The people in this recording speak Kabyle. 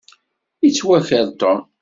Yettwaker Tom.